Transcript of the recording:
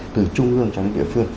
từ trung ương cho đến địa phương